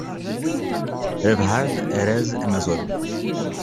Rebḥeɣ-d arraz amezwaru.